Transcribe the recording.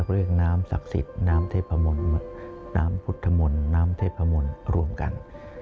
เรื่องน้ำศักดิ์สิทธิ์น้ำเทพน้ำพุทธมนต์น้ำเทพมนต์รวมกัน